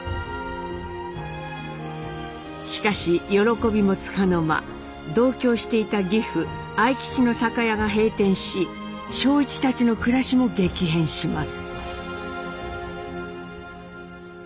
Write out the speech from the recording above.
しかし喜びもつかの間同居していた義父愛吉の酒屋が閉店し正一たちの暮らしも激変します。